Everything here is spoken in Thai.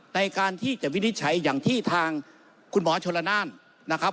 ในการที่จะวินิจฉัยอย่างที่ทางคุณหมอชนละนานนะครับ